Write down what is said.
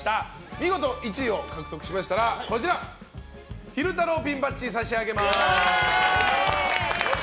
見事１位を獲得しましたら昼太郎ピンバッジを差し上げます。